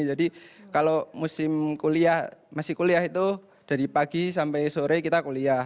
jadi kalau musim kuliah masih kuliah itu dari pagi sampai sore kita kuliah